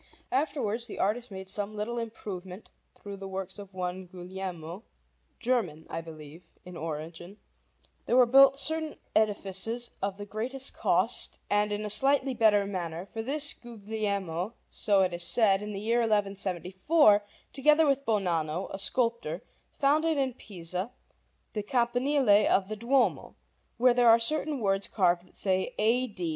Afterwards, the art making some little improvement through the works of one Guglielmo, German (I believe) in origin, there were built certain edifices of the greatest cost and in a slightly better manner; for this Guglielmo, so it is said, in the year 1174, together with Bonanno, a sculptor, founded in Pisa the Campanile of the Duomo, where there are certain words carved that say: A.